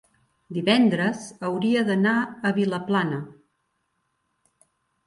divendres hauria d'anar a Vilaplana.